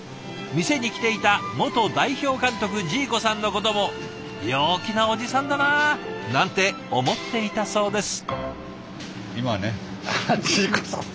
店に来ていた元代表監督ジーコさんのことも「陽気なおじさんだな」なんて思っていたそうです。